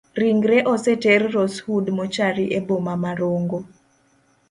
Ringre oseter rosewood mochari eboma ma rongo.